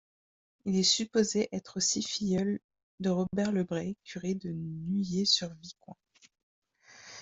Il est supposé être aussi filleul de Robert Le Bret, curé de Nuillé-sur-Vicoin.